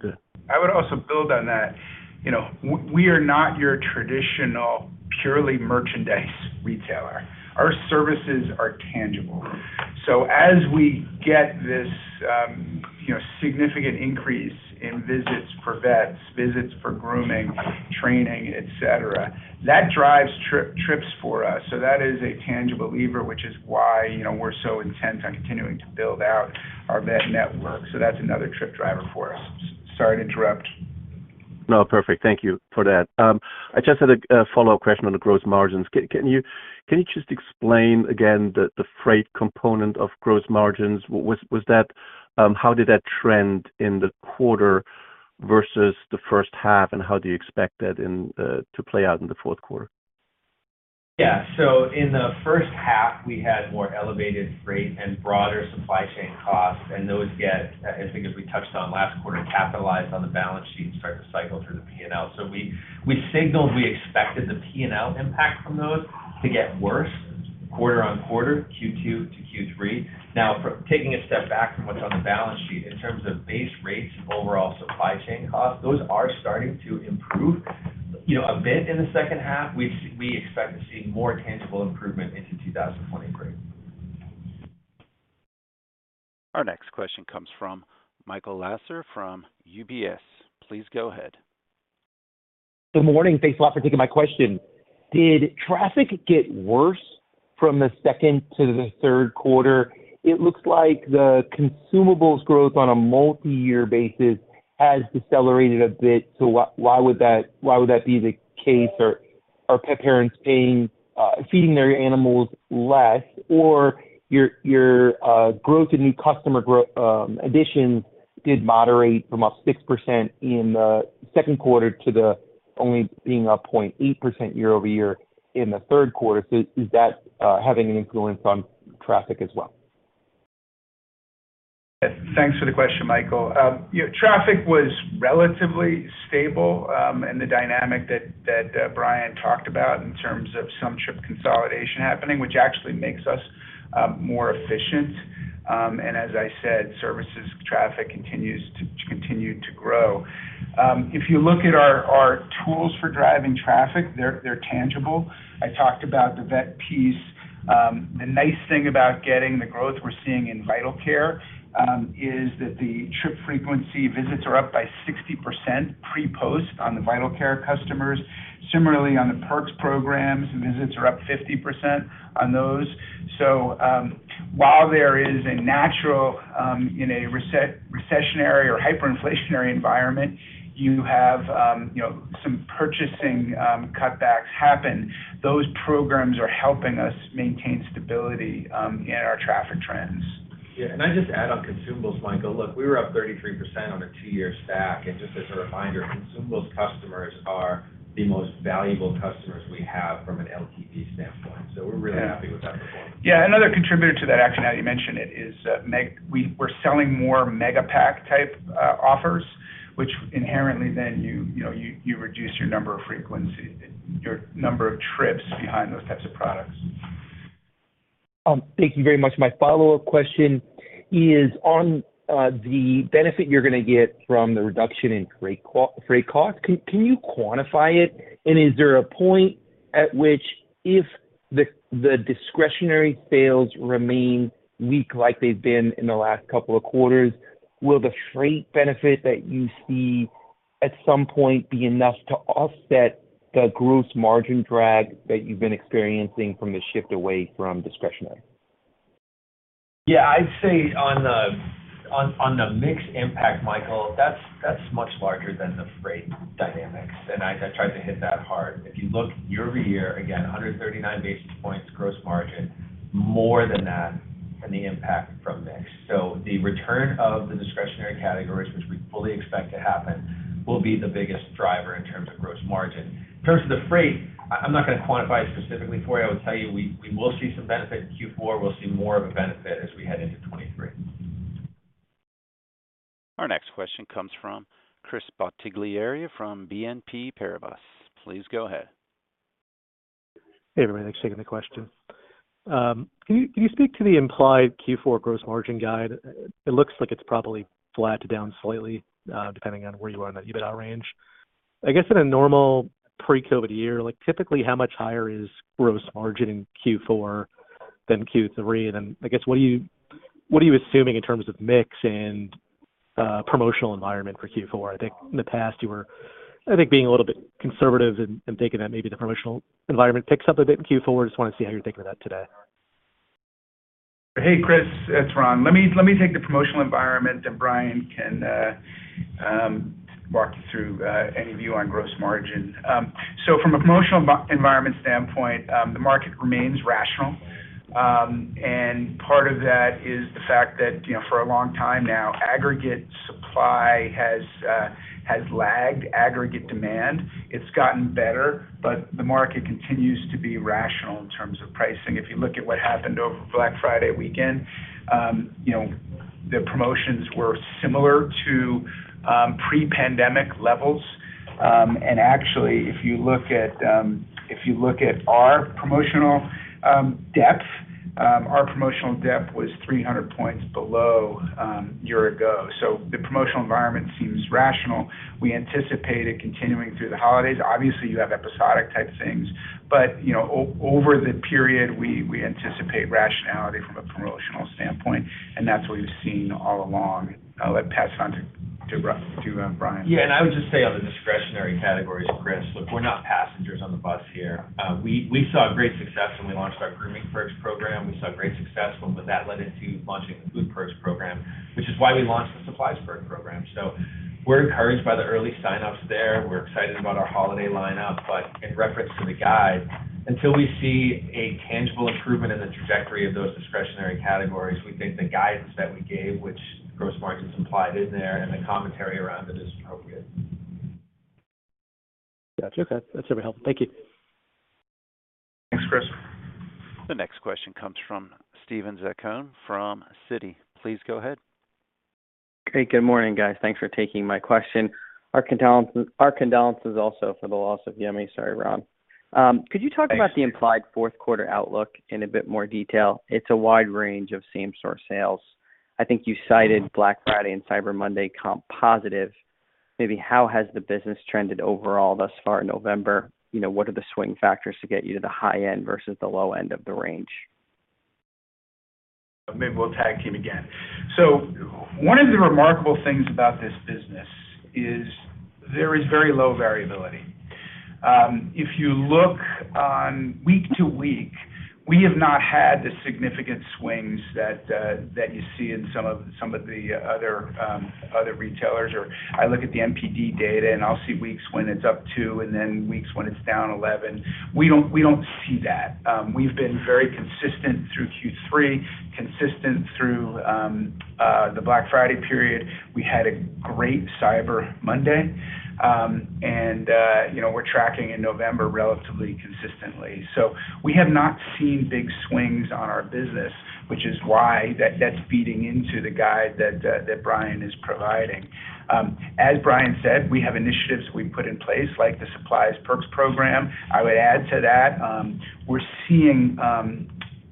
Yeah. I would also build on that. You know, we are not your traditional purely merchandise retailer. Our services are tangible. As we get this, you know, significant increase in visits for vets, visits for grooming, training, et cetera, that drives trips for us. That is a tangible lever, which is why, you know, we're so intent on continuing to build out our vet network. That's another trip driver for us. Sorry to interrupt. Perfect. Thank you for that. I just had a follow-up question on the gross margins. Can you just explain again the freight component of gross margins? How did that trend in the quarter versus the first half, and how do you expect that to play out in the fourth quarter? Yeah. In the first half, we had more elevated rate and broader supply chain costs. Those get, I think as we touched on last quarter, capitalized on the balance sheet and start to cycle through the P&L. We signaled we expected the P&L impact from those to get worse quarter on quarter, Q2 to Q3. Now, taking a step back from what's on the balance sheet, in terms of base rates, overall supply chain costs, those are starting to improve, you know, a bit in the second half. We expect to see more tangible improvement into 2023. Our next question comes from Michael Lasser from UBS. Please go ahead. Good morning. Thanks a lot for taking my question. Did traffic get worse from the second to the third quarter? It looks like the consumables growth on a multi-year basis has decelerated a bit. Why would that be the case? Are pet parents paying, feeding their animals less? Your growth in new customer additions did moderate from up 6% in the second quarter to the only being up 0.8% year-over-year in the third quarter. Is that having an influence on traffic as well? Thanks for the question, Michael. you know, traffic was relatively stable in the dynamic that Brian talked about in terms of some trip consolidation happening, which actually makes us more efficient. As I said, services traffic continued to grow. If you look at our tools for driving traffic, they're tangible. I talked about the vet piece. The nice thing about getting the growth we're seeing in Vital Care, is that the trip frequency visits are up by 60% pre/post on the Vital Care customers. Similarly, on the perks programs, visits are up 50% on those. While there is a natural, in a recessionary or hyperinflationary environment, you have, you know, some purchasing cutbacks happen. Those programs are helping us maintain stability in our traffic trends. Yeah. I'd just add on consumables, Michael. Look, we were up 33% on a two years back. Just as a reminder, consumables customers are the most valuable customers we have from an LTV standpoint. We're really happy with that performance. Yeah. Another contributor to that, actually, now you mention it, is, We're selling more mega pack type offers, which inherently then you know, you reduce your number of frequency, your number of trips behind those types of products. Thank you very much. My follow-up question is on the benefit you're gonna get from the reduction in freight cost. Can you quantify it? Is there a point at which if the discretionary sales remain weak like they've been in the last couple of quarters, will the freight benefit that you see at some point be enough to offset the gross margin drag that you've been experiencing from the shift away from discretionary? Yeah. I'd say on the mix impact, Michael, that's much larger than the freight dynamics, and I tried to hit that hard. If you look year-over-year, again, 139 basis points gross margin, more than that from the impact from mix. The return of the discretionary categories, which we fully expect to happen, will be the biggest driver in terms of gross margin. In terms of the freight, I'm not gonna quantify it specifically for you. I will tell you, we will see some benefit in Q4. We'll see more of a benefit as we head into 2023. Our next question comes from Chris Bottiglieri from BNP Paribas. Please go ahead. Hey, everybody. Thanks for taking the question. Can you speak to the implied Q4 gross margin guide? It looks like it's probably flat to down slightly, depending on where you are in the EBITDA range. I guess, in a normal pre-COVID year, like, typically, how much higher is gross margin in Q4 than Q3? I guess, what are you assuming in terms of mix and promotional environment for Q4? I think in the past you were, I think, being a little bit conservative and thinking that maybe the promotional environment picks up a bit in Q4. Just wanna see how you're thinking of that today. Hey, Chris, it's Ron. Let me take the promotional environment, and Brian can walk you through any view on gross margin. From a promotional environment standpoint, the market remains rational. Part of that is the fact that, you know, for a long time now, aggregate supply has lagged aggregate demand. It's gotten better, but the market continues to be rational in terms of pricing. If you look at what happened over Black Friday weekend, you know, the promotions were similar to pre-pandemic levels. Actually, if you look at, if you look at our promotional depth, our promotional depth was 300 points below year ago. The promotional environment seems rational. We anticipate it continuing through the holidays. Obviously, you have episodic type things. you know, over the period, we anticipate rationality from a promotional standpoint, and that's what we've seen all along. I'll let pass on to Brian. I would just say on the discretionary categories, Chris, look, we're not passengers on the bus here. We saw great success when we launched our Grooming Perk program. We saw great success when that led into launching the Food Perks program, which is why we launched the Vital Care program. We're encouraged by the early signups there. We're excited about our holiday lineup. In reference to the guide, until we see a tangible improvement in the trajectory of those discretionary categories, we think the guidance that we gave, which gross margins implied in there and the commentary around it is appropriate. Gotcha. Okay. That's very helpful. Thank you. Thanks, Chris. The next question comes from Steven Zaccone from Citi. Please go ahead. Hey, good morning, guys. Thanks for taking my question. Our condolences also for the loss of Yummy. Sorry, Ron. Could you talk about- Thanks, Steve. -the implied fourth quarter outlook in a bit more detail? It's a wide range of same store sales. I think you cited Black Friday and Cyber Monday comp positive. Maybe how has the business trended overall thus far in November? You know, what are the swing factors to get you to the high end versus the low end of the range? One of the remarkable things about this business is there is very low variability. If you look on week to week, we have not had the significant swings that you see in some of the other retailers. I look at the NPD data and I'll see weeks when it's up two and then weeks when it's down 11. We don't see that. We've been very consistent through Q3, consistent through the Black Friday period. We had a great Cyber Monday. And, you know, we're tracking in November relatively consistently. We have not seen big swings on our business, which is why that's feeding into the guide that Brian is providing. As Brian said, we have initiatives we put in place like the Supplies Perks program. I would add to that, we're seeing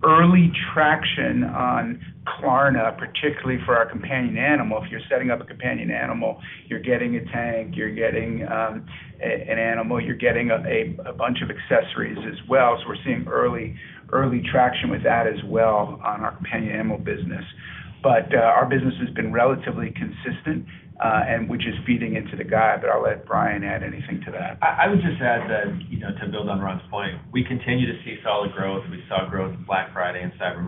early traction on Klarna, particularly for our companion animal. If you're setting up a companion animal, you're getting a tank, you're getting an animal, you're getting a bunch of accessories as well. We're seeing early traction with that as well on our companion animal business. Our business has been relatively consistent, and which is feeding into the guide, but I'll let Brian add anything to that. I would just add that, you know, to build on Ron's point, we continue to see solid growth. We saw growth in Black Friday and Cyber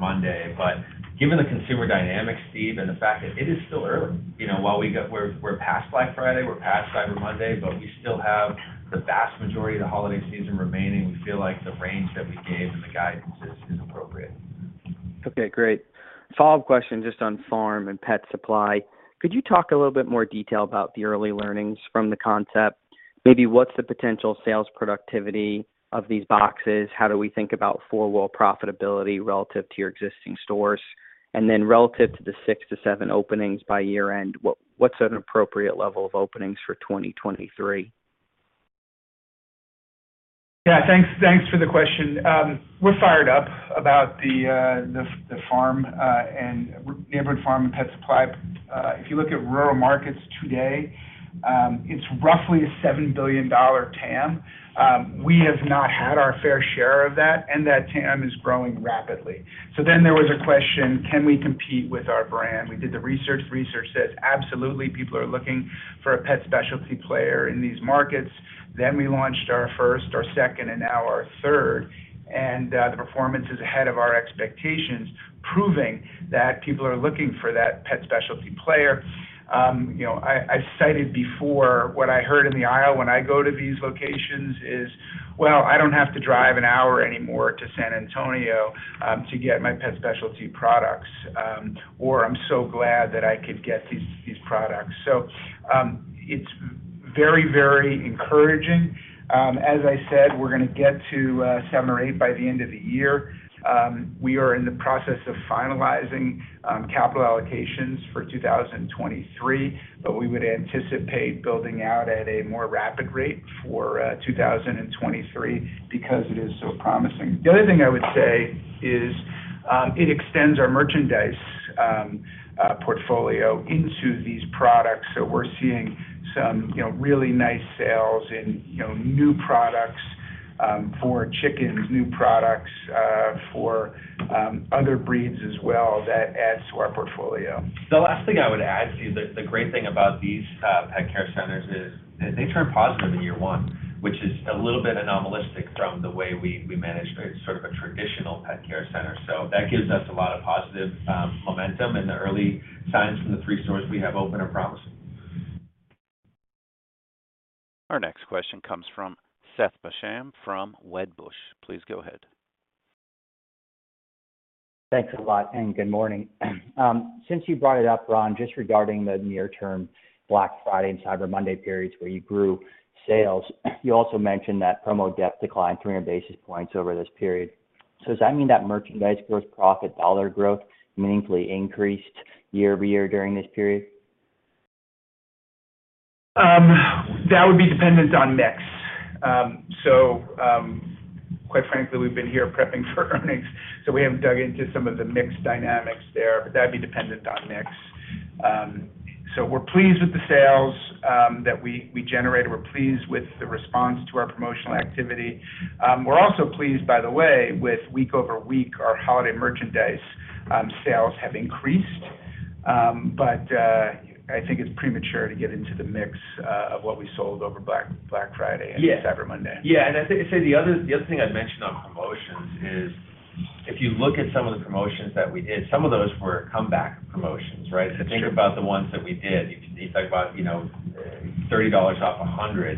Monday. Given the consumer dynamics, Steve, and the fact that it is still early, you know, while we're past Black Friday, we're past Cyber Monday, we still have the vast majority of the holiday season remaining. We feel like the range that we gave and the guidance is appropriate. Okay, great. Follow-up question just on Farm and Pet Supply. Could you talk a little bit more detail about the early learnings from the concept? Maybe what's the potential sales productivity of these boxes? How do we think about four wall profitability relative to your existing stores? Relative to the six-seven openings by year-end, what's an appropriate level of openings for 2023? Yeah. Thanks for the question. We're fired up about the farm and Neighborhood Farm & Pet Supply. If you look at rural markets today, it's roughly a $7 billion TAM. We have not had our fair share of that, and that TAM is growing rapidly. There was a question, can we compete with our brand? We did the research. Research says, absolutely, people are looking for a pet specialty player in these markets. We launched our first, our second, and now our third, and the performance is ahead of our expectations, proving that people are looking for that pet specialty player. You know, I've cited before what I heard in the aisle when I go to these locations is, "Well, I don't have to drive an hour anymore to San Antonio to get my pet specialty products," or, "I'm so glad that I could get these products." It's very, very encouraging. As I said, we're gonna get to seven or eight by the end of the year. We are in the process of finalizing capital allocations for 2023, but we would anticipate building out at a more rapid rate for 2023 because it is so promising. The other thing I would say is. It extends our merchandise portfolio into these products. We're seeing some, you know, really nice sales in, you know, new products, for chickens, new products, for other breeds as well that adds to our portfolio. The last thing I would add to you, the great thing about these pet care centers is that they turn positive in year one, which is a little bit anomalistic from the way we manage sort of a traditional pet care center. That gives us a lot of positive momentum in the early signs from the three stores we have open are promising. Our next question comes from Seth Basham from Wedbush. Please go ahead. Thanks a lot. Good morning. Since you brought it up, Ron, just regarding the near term Black Friday and Cyber Monday periods where you grew sales, you also mentioned that promo depth declined 300 basis points over this period. Does that mean that merchandise gross profit dollar growth meaningfully increased year-over-year during this period? That would be dependent on mix. Quite frankly, we've been here prepping for earnings, so we haven't dug into some of the mix dynamics there, but that'd be dependent on mix. We're pleased with the sales that we generated. We're pleased with the response to our promotional activity. We're also pleased, by the way, with week over week, our holiday merchandise sales have increased. I think it's premature to get into the mix of what we sold over Black Friday. Yeah. Cyber Monday. Yeah. I'd say the other thing I'd mention on promotions is if you look at some of the promotions that we did, some of those were comeback promotions, right? That's true. If you think about the ones that we did, you can think about, you know, $30 off $100.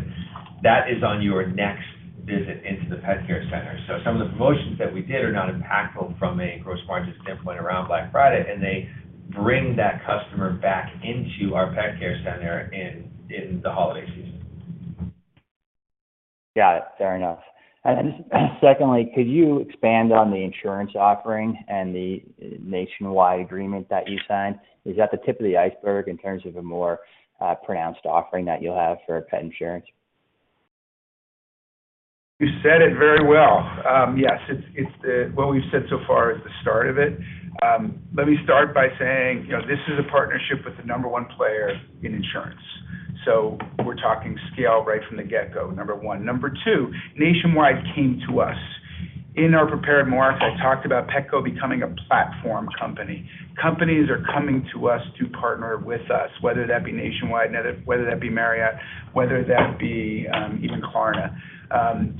That is on your next visit into the pet care center. Some of the promotions that we did are not impactful from a gross margin standpoint around Black Friday, and they bring that customer back into our pet care center in the holiday season. Got it. Fair enough. Just secondly, could you expand on the insurance offering and the Nationwide agreement that you signed? Is that the tip of the iceberg in terms of a more pronounced offering that you'll have for pet insurance? You said it very well. Yes, it's the... What we've said so far is the start of it. Let me start by saying, you know, this is a partnership with the number 1 player in insurance. We're talking scale right from the get-go, number 1. Number 2, Nationwide came to us. In our prepared remarks, I talked about Petco becoming a platform company. Companies are coming to us to partner with us, whether that be Nationwide, whether that be Marriott, whether that be, even Klarna,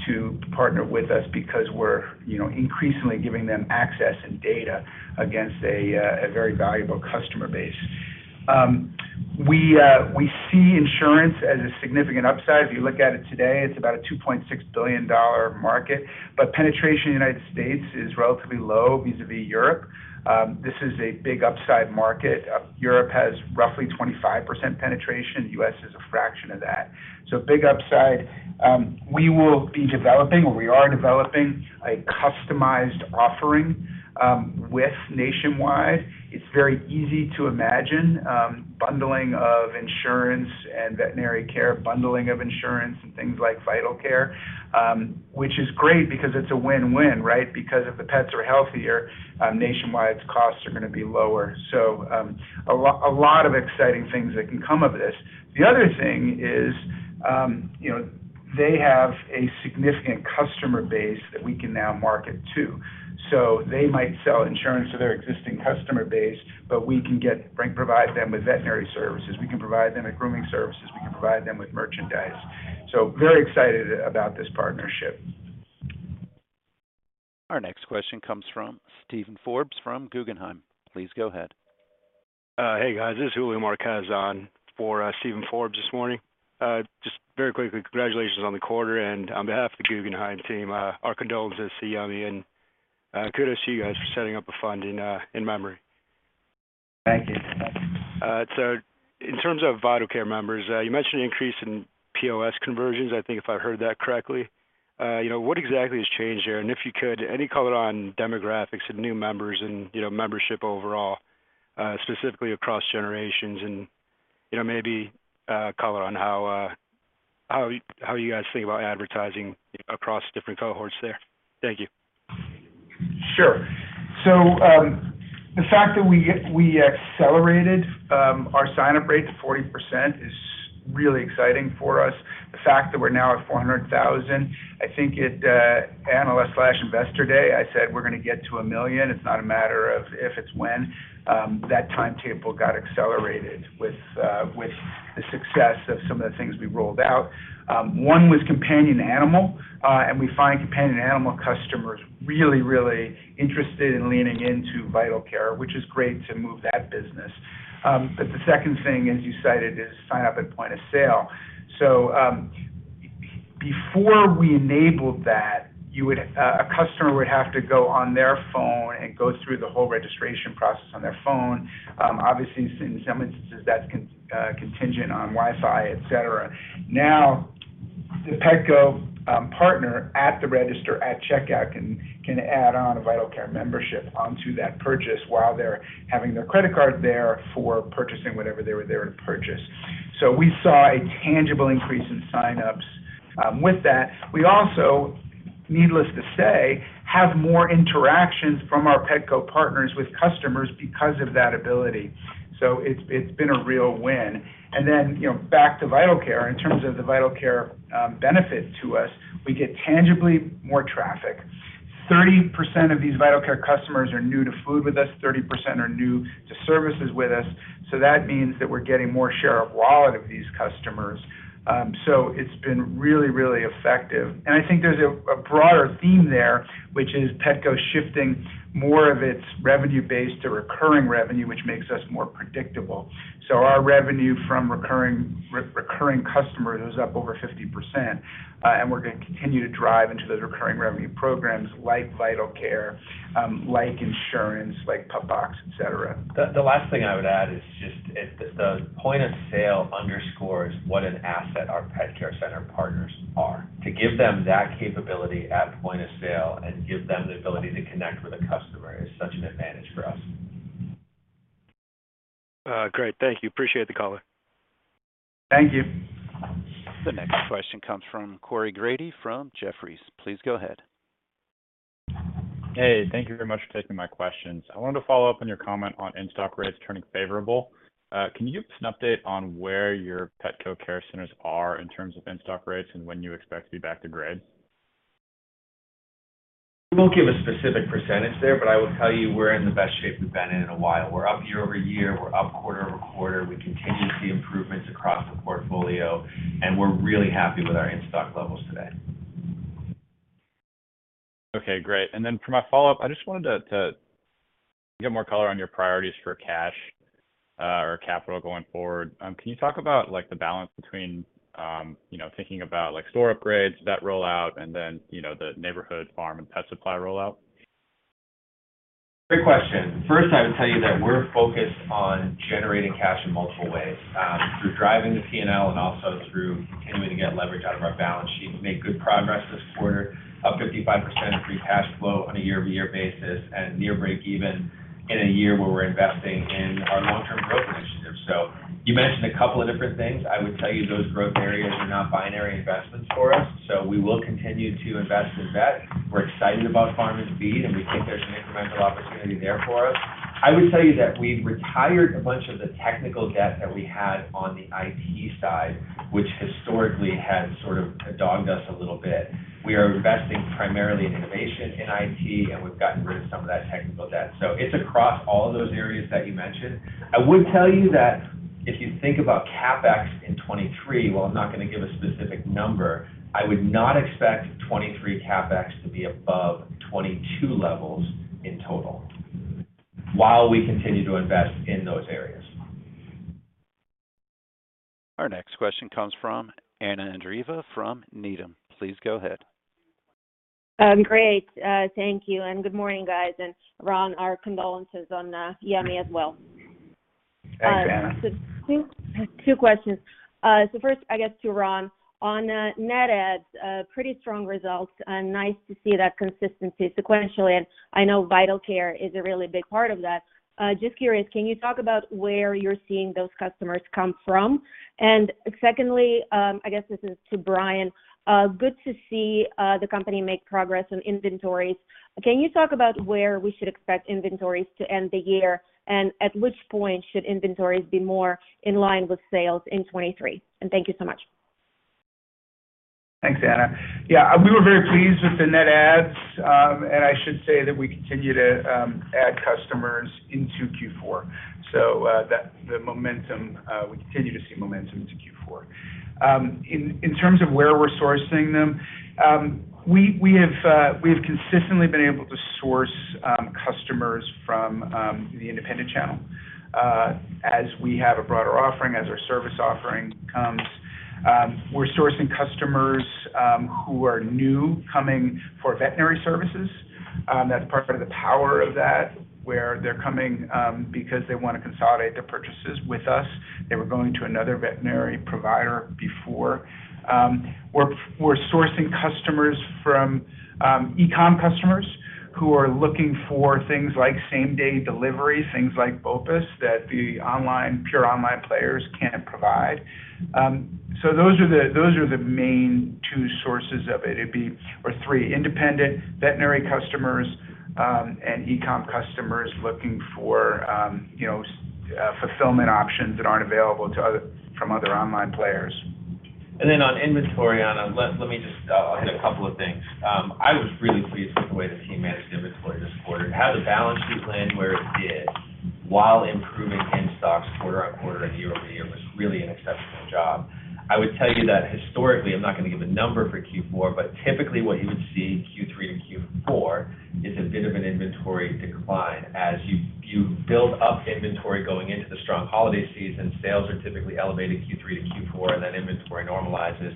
to partner with us because we're, you know, increasingly giving them access and data against a very valuable customer base. We see insurance as a significant upside. If you look at it today, it's about a $2.6 billion market, penetration in the United States is relatively low vis-à-vis Europe. This is a big upside market. Europe has roughly 25% penetration. U.S. is a fraction of that. Big upside. We will be developing, or we are developing a customized offering, with Nationwide. It's very easy to imagine, bundling of insurance and veterinary care, bundling of insurance and things like Vital Care, which is great because it's a win-win, right? If the pets are healthier, Nationwide's costs are gonna be lower. A lot of exciting things that can come of this. The other thing is, you know, they have a significant customer base that we can now market to. They might sell insurance to their existing customer base, but we can provide them with veterinary services. We can provide them with grooming services. We can provide them with merchandise. Very excited about this partnership. Our next question comes from Steven Forbes from Guggenheim. Please go ahead. Hey, guys. This is Julio Marquez for Steven Forbes this morning. Just very quickly, congratulations on the quarter. On behalf of the Guggenheim team, our condolences to Yummy, and kudos to you guys for setting up a fund in memory. Thank you. In terms of Vital Care members, you mentioned an increase in POS conversions, I think, if I heard that correctly. You know, what exactly has changed there? If you could, any color on demographics of new members and, you know, membership overall, specifically across generations and, you know, maybe color on how you guys think about advertising across different cohorts there. Thank you. Sure. The fact that we accelerated our sign-up rate to 40% is really exciting for us. The fact that we're now at 400,000, I think at analyst/investor day, I said we're gonna get to 1 million. It's not a matter of if, it's when. That timetable got accelerated with the success of some of the things we rolled out. One was companion animal, and we find companion animal customers really interested in leaning into Vital Care, which is great to move that business. The second thing, as you cited, is sign up at point of sale. Before we enabled that, a customer would have to go on their phone and go through the whole registration process on their phone. Obviously, in some instances, that's contingent on Wi-Fi, etc. Now, the Petco partner at the register at checkout can add on a Vital Care membership onto that purchase while they're having their credit card there for purchasing whatever they were there to purchase. We saw a tangible increase in signups. With that, we also have more interactions from our Petco partners with customers because of that ability. It's been a real win. Then, you know, back to Vital Care. In terms of the Vital Care benefit to us, we get tangibly more traffic. 30% of these Vital Care customers are new to food with us, 30% are new to services with us, so that means that we're getting more share of wallet of these customers. It's been really, really effective. I think there's a broader theme there, which is Petco shifting more of its revenue base to recurring revenue, which makes us more predictable. Our revenue from recurring customers is up over 50%. We're gonna continue to drive into those recurring revenue programs like Vital Care, like insurance, like PupBox, et cetera. The last thing I would add is just if the point of sale underscores what an asset our pet care center partners are. To give them that capability at point of sale and give them the ability to connect with a customer is such an advantage for us. Great. Thank you. Appreciate the call. Thank you. The next question comes from Corey Grady from Jefferies. Please go ahead. Hey, thank you very much for taking my questions. I wanted to follow up on your comment on in-stock rates turning favorable. Can you give us an update on where your Petco care centers are in terms of in-stock rates and when you expect to be back to grade? We won't give a specific percentage there. I will tell you we're in the best shape we've been in a while. We're up year-over-year. We're up quarter-over-quarter. We continue to see improvements across the portfolio, and we're really happy with our in-stock levels today. Okay, great. For my follow-up, I just wanted to get more color on your priorities for cash, or capital going forward. Can you talk about, like, the balance between, you know, thinking about, like, store upgrades, that rollout, and then, you know, the Neighborhood Farm & Pet Supply rollout? Great question. First, I would tell you that we're focused on generating cash in multiple ways, through driving the P&L and also through continuing to get leverage out of our balance sheet. We made good progress this quarter. Up 55% free cash flow on a year-over-year basis and near breakeven in a year where we're investing in our long-term growth initiatives. You mentioned a couple of different things. I would tell you those growth areas are not binary investments for us, so we will continue to invest in that. We're excited about Farm & Feed, and we think there's an incremental opportunity there for us. I would tell you that we've retired a bunch of the technical debt that we had on the IT side, which historically had sort of dogged us a little bit. We are investing primarily in innovation in IT, and we've gotten rid of some of that technical debt. It's across all of those areas that you mentioned. I would tell you that if you think about CapEx in 2023, while I'm not gonna give a specific number, I would not expect 2023 CapEx to be above 2022 levels in total while we continue to invest in those areas. Our next question comes from Anna Andreeva from Needham. Please go ahead. Great. Thank you, and good morning, guys. Ron, our condolences on Yummy as well. Thanks, Anna. Two questions. First, I guess, to Ron. On net adds, pretty strong results and nice to see that consistency sequentially. I know Vital Care is a really big part of that. Just curious, can you talk about where you're seeing those customers come from? Secondly, I guess this is to Brian. Good to see the company make progress on inventories. Can you talk about where we should expect inventories to end the year, and at which point should inventories be more in line with sales in 2023? Thank you so much. Thanks, Anna. Yeah, we were very pleased with the net adds, and I should say that we continue to add customers into Q4. The momentum we continue to see momentum into Q4. In terms of where we're sourcing them, we have consistently been able to source customers from the independent channel. As we have a broader offering, as our service offering comes, we're sourcing customers who are new coming for veterinary services. That's part of the power of that, where they're coming because they wanna consolidate their purchases with us. They were going to another veterinary provider before. We're sourcing customers from e-com customers who are looking for things like same-day delivery, things like BOPUS, that the online, pure online players can't provide. Those are the main two sources of it. Three, independent veterinary customers, and e-com customers looking for, you know, fulfillment options that aren't available from other online players. On inventory, Anna, let me just hit a couple of things. I was really pleased with the way the team managed inventory this quarter. To have the balance sheet land where it did while improving in stocks quarter-on-quarter and year-over-year was really an exceptional job. I would tell you that historically, I'm not gonna give a number for Q4, but typically what you would see Q3 to Q4 is a bit of an inventory decline. As you build up inventory going into the strong holiday season, sales are typically elevated Q3 to Q4, then inventory normalizes.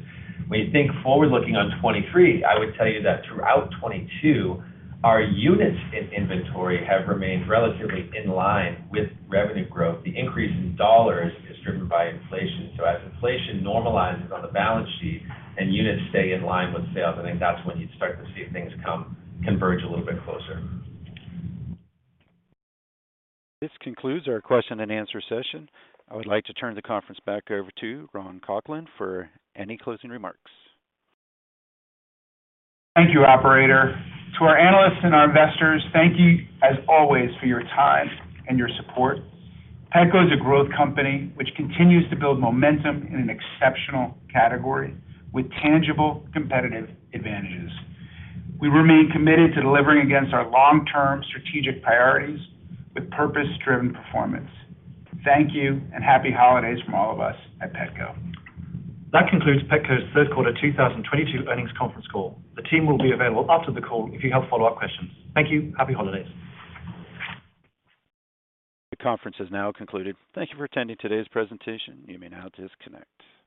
When you think forward-looking on 2023, I would tell you that throughout 2022, our units in inventory have remained relatively in line with revenue growth. The increase in dollars is driven by inflation. As inflation normalizes on the balance sheet and units stay in line with sales, I think that's when you'd start to see things converge a little bit closer. This concludes our question-and-answer session. I would like to turn the conference back over to Ron Coughlin for any closing remarks. Thank you, operator. To our analysts and our investors, thank you as always for your time and your support. Petco is a growth company which continues to build momentum in an exceptional category with tangible competitive advantages. We remain committed to delivering against our long-term strategic priorities with purpose-driven performance. Thank you, and happy holidays from all of us at Petco. That concludes Petco's third quarter 2022 earnings conference call. The team will be available after the call if you have follow-up questions. Thank you. Happy holidays. The conference has now concluded. Thank you for attending today's presentation. You may now disconnect.